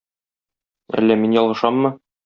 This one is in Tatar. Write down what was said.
Әллә мин ялгышаммы?